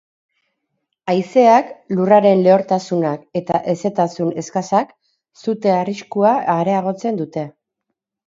Haizeak, lurraren lehortasunak eta hezetasun eskasak sute arriskua areagotzen dute.